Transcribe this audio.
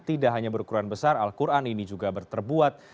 tidak hanya berukuran besar al quran ini juga berterbuat